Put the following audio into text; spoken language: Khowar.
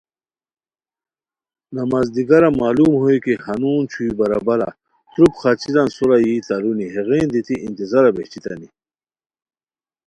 نماز دیگرہ معلوم ہوئے کی ہنون چھوئی برابارہ تروپ خاچیران سورا یی تارونی ہیغین دیتی انتظارا بہچیتانی